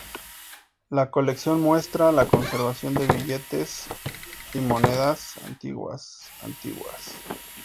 La colección muestra la conservación de billetes y monedas antiguas antiguas.